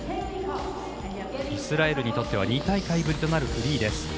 イスラエルにとっては２大会ぶりとなるフリーです。